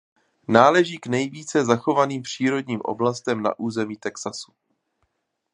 Náleží k nejvíce zachovaným přírodním oblastem na území Texasu.